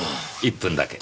１分だけ。